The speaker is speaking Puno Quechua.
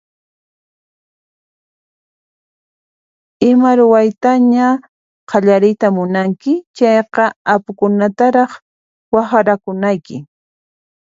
Ima ruwaytaña qallariyta munanki chayqa apukunataraq waqharkunayki.